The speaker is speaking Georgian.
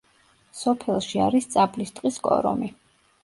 სოფელში არის წაბლის ტყის კორომი.